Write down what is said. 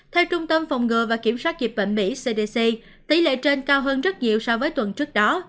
theo trung tâm phòng ngừa và kiểm soát dịch bệnh mỹ cdc tỷ lệ trên cao hơn rất nhiều so với tuần trước đó